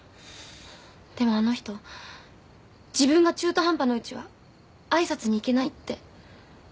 でもあの人自分が中途半端なうちはあいさつに行けないって。